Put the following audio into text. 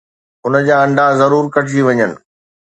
ان جا انڊا ضرور ڪٽجي وڃن.